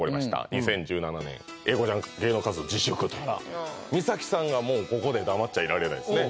２０１７年英孝ちゃん芸能活動自粛という美咲さんがもうここで黙っちゃいられないですね